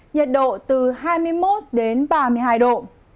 nhiệt độ từ hai mươi một đến ba mươi hai độ